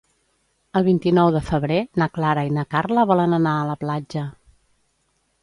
El vint-i-nou de febrer na Clara i na Carla volen anar a la platja.